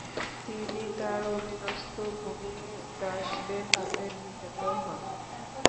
তিনি তার অধীনস্থ ভূমিদাসদের হাতে নিহত হন।